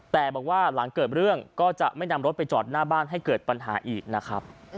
แต่บอกว่าหลังเกิดเรื่องก็จะไม่นำรถไปจอดหน้าบ้านให้เกิดปัญหาอีกนะครับ